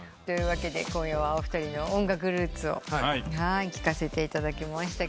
今夜はお二人の音楽ルーツを聞かせていただきました。